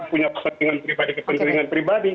punya kepentingan pribadi